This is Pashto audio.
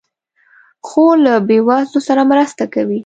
خور له بېوزلو سره مرسته کوي.